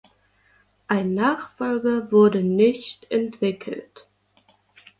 Ein Nachfolger wurde nicht entwickelt.